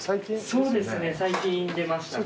そうですね最近出ました。